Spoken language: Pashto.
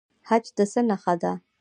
حج د څه نښه ده؟